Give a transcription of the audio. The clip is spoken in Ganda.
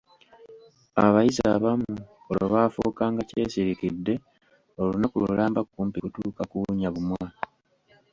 Abayizi abamu olwo baafuukanga kyesirikidde olunaku lulamba kumpi kutuuka kuwunya bumwa.